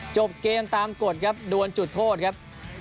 จบเกมตามกฎครับดวนจุดโทษครับ